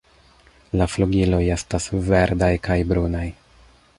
La flugiloj estas verdaj kaj brunaj.